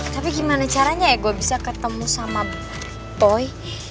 tapi gimana caranya ya gue bisa ketemu sama poi